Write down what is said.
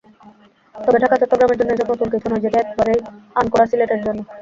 তবে ঢাকা-চট্টগ্রামের জন্য এসব নতুন কিছু নয়, যেটি একেবারেই আনকোরা সিলেটের জন্য।